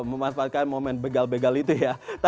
memanfaatkan momen begal begal itu ya